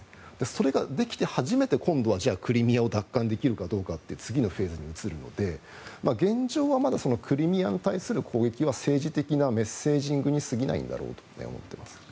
それができて初めて今度はクリミアを奪還できるかどうかという次のフェーズに移るので現状はまだクリミアに対する攻撃は政治的なメッセージングに過ぎないんだろうと思っています。